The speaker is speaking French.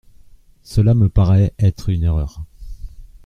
Cela me paraît être une erreur.